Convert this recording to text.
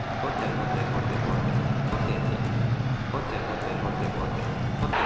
ぼてぼてぼてぼて。